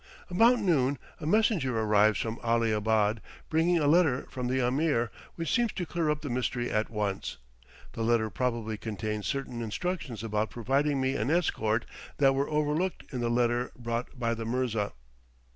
About noon a messenger arrives from Ali abad, bringing a letter from the Ameer, which seems to clear up the mystery at once. The letter probably contains certain instructions about providing me an escort that were overlooked in the letter brought by the mirza.